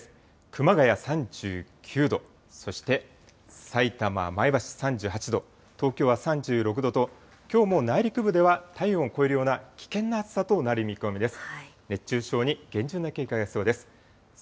熊谷３９度、そしてさいたま、前橋３８度、東京は３６度と、きょうも内陸部では体温を超えるような危険な暑さとなる見込みです。